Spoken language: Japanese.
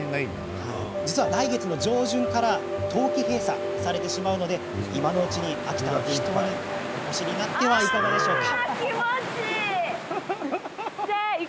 来月上旬からは冬季閉鎖されてしまうので今のうちに、秋田の秘湯にお越しになってはいかがでしょうか。